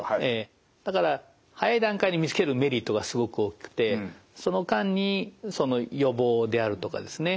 だから早い段階で見つけるメリットがすごく大きくてその間に予防であるとかですね